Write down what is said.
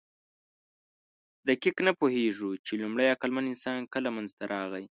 دقیق نه پوهېږو، چې لومړی عقلمن انسان کله منځ ته راغی.